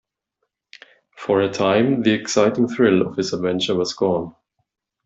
For a time the exciting thrill of his adventure was gone.